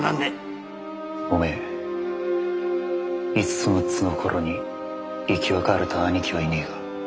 おめえ５つ６つの頃に生き別れた兄貴はいねえか？